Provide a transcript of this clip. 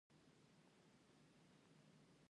ایا ستاسو ښوونکي قدرمن دي؟